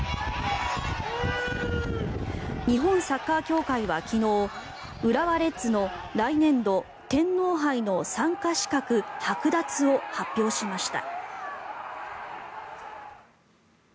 日本サッカー協会は昨日浦和レッズの来年度、天皇杯の参加資格はく奪を発表しました。